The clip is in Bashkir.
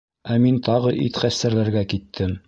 Ә мин тағы ит хәстәрләргә киттем.